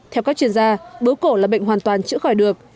theo các chuyên gia bướu cổ là bệnh hoàn toàn chữa khỏi được